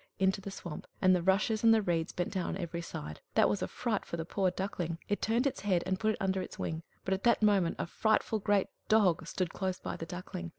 into the swamp, and the rushes and the reeds bent down on every side. That was a fright for the poor Duckling! It turned its head, and put it under its wing; but at that moment a frightful great dog stood close by the Duckling.